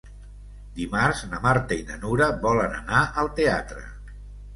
Dimarts na Marta i na Nura volen anar al teatre.